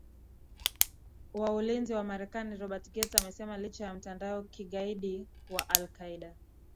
ri wa ulinzi wa marekani robert gates amesema licha ya mtandao kigaidi wa alqaeda